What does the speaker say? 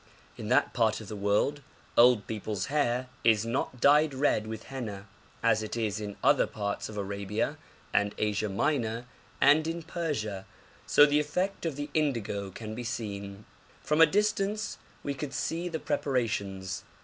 In that part of the world old people's hair is not dyed red with henna, as it is in other parts of Arabia and Asia Minor and in Persia, so the effect of the indigo can be seen. From a distance we could see the preparations.